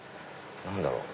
何だろう？